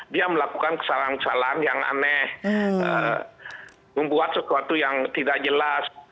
dia melakukan kesalahan kesalahan yang aneh membuat sesuatu yang tidak jelas